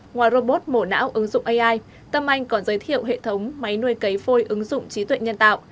ngoài robot mổ não ứng dụng ai tâm anh còn giới thiệu hệ thống máy nuôi cấy phôi ứng dụng trí tuệ nhân tạo